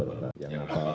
tunggu dan jumpa lagi